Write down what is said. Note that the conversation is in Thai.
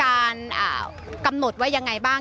อย่างที่บอกไปว่าเรายังยึดในเรื่องของข้อ